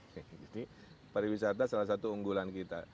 jadi pariwisata salah satu unggulan kita